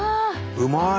うまい！